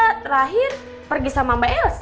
terakhir pergi sama mbak elsa